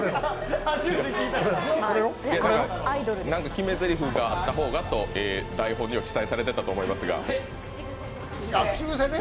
何か決めぜりふがあった方がと台本には記載されていたと思いますが。